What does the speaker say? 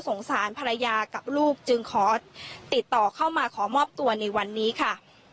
สารภรรยากับลูกจึงขอติดต่อเข้ามาขอมอบตัวในวันนี้ค่ะ